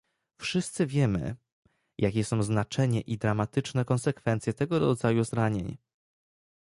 Wszyscy wiemy, jakie są znaczenie i dramatyczne konsekwencje tego rodzaju zranień